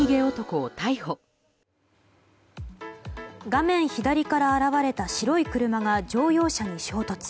画面左から現れた白い車が乗用車に衝突。